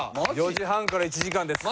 ４時半から１時間です。